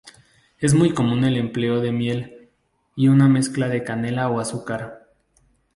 Es muy común el empleo de miel y una mezcla de canela o azúcar.